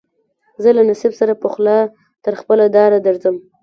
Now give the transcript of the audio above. زه له نصیب سره پخلا تر خپله داره درځم